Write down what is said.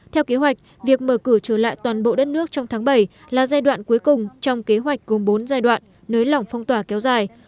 theo kế hoạch việc mở cửa trở lại toàn bộ đất nước trong tháng bảy là giai đoạn cuối cùng trong kế hoạch gồm bốn giai đoạn nới lỏng phong tỏa kéo dài